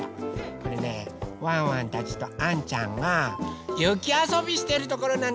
これねワンワンたちとあんちゃんがゆきあそびしてるところなんだって！